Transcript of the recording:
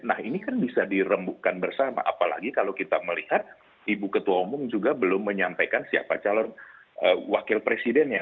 nah ini kan bisa dirembukkan bersama apalagi kalau kita melihat ibu ketua umum juga belum menyampaikan siapa calon wakil presidennya